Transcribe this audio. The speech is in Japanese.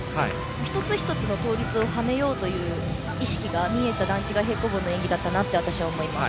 一つ一つの倒立をはめようという意識が見えた段違い平行棒の演技だったなと思います。